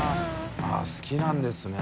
◆舛好きなんですね